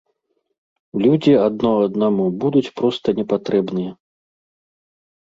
Людзі адно аднаму будуць проста не патрэбныя.